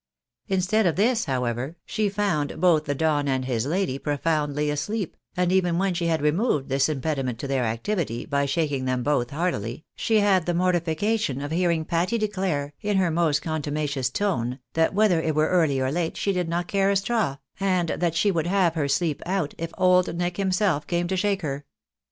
Instead of this, however, she found both the Don and Ms lady profoundly asleep, and even when she had removed this impediment to their activity, by shaking them both heartily, she had the mortification of hearing Patty declare, in her most contu macious tone, that whether it were early or late, she did not care a straw, and that she would have her sleep out if Old Nick himselt came to shake her.